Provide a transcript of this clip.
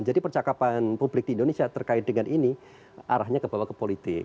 jadi percakapan publik di indonesia terkait dengan ini arahnya kebawah ke politik